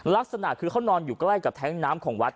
ลักษณะคือเขานอนอยู่ใกล้กับแท้งน้ำของวัด